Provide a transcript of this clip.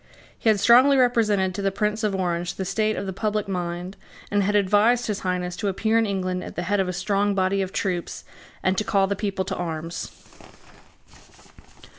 He had strongly represented to the Prince of Orange the state of the public mind, and had advised his Highness to appear in England at the head of a strong body of troops, and to call the people to arms.